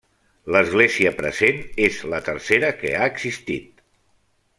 L'església present és la tercera que ha existit.